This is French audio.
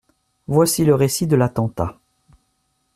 Voici le récit de l’attentat.